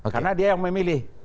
karena dia yang memilih